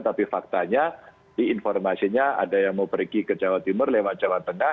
tapi faktanya di informasinya ada yang mau pergi ke jawa timur lewat jawa tengah